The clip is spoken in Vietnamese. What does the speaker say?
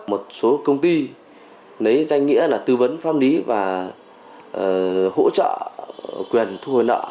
một số công ty lấy danh nghĩa là tư vấn pháp lý và hỗ trợ quyền thu hồi nợ